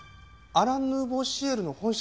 アラン・ヌーボー・シエルの本社？